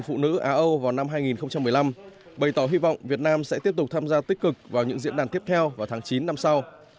việt nam đã tham gia rất tích cực vào diễn đàn phụ nữ á âu vào năm hai nghìn một mươi năm bày tỏ hy vọng việt nam sẽ tiếp tục tham gia tích cực vào những diễn đàn tiếp theo vào tháng chín năm sau